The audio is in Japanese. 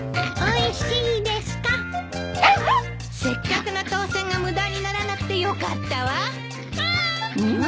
せっかくの当選が無駄にならなくてよかったわ。